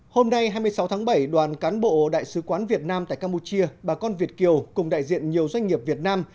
hôm nay hai mươi sáu tháng bảy đoàn cán bộ đại sứ quán việt nam tại campuchia bà con việt kiều cùng đại diện nhiều doanh nghiệp việt nam